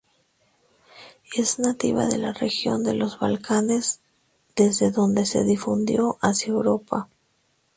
Es nativa de la región de los Balcanes, desde donde se difundió hacia Europa.